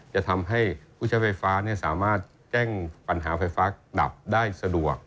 จะทำให้ผู้ใช้ไฟฟ้าสามารถแจ้งปัญหาไฟฟ้าดับได้สะดวก